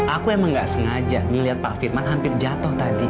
aku emang gak sengaja ngeliat pak firman hampir jatuh tadi